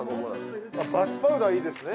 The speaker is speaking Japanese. バスパウダーいいですね。